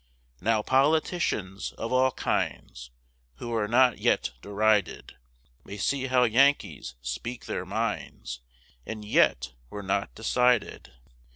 Now, politicians, of all kinds, Who are not yet derided, May see how Yankees speak their minds, And yet we're not decided.